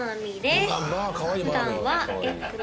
普段は。